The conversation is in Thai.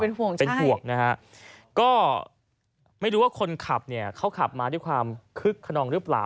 เป็นห่วงเป็นห่วงนะฮะก็ไม่รู้ว่าคนขับเนี่ยเขาขับมาด้วยความคึกขนองหรือเปล่า